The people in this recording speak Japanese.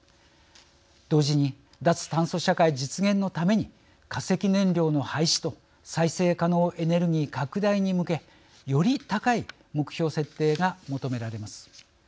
同時に脱炭素社会実現のために化石燃料の廃止と再生可能エネルギー拡大に向けより高い目標設定が求められます。